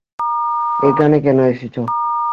এখানে কেন এসেছ?